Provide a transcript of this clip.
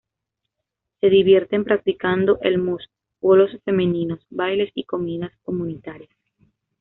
Se divierten practicando el mus, bolos femeninos, bailes y comidas comunitarias.